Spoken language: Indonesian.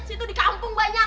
situ di kampung banyak